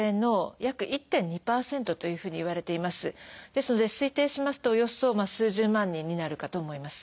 ですので推定しますとおよそ数十万人になるかと思います。